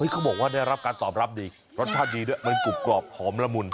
เขาบอกว่าได้รับการตอบรับดีรสชาติดีด้วยมันกรุบกรอบหอมละมุน